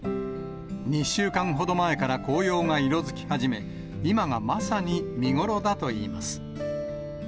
２週間ほど前から紅葉が色づき始め、今がまさに見頃だといいます。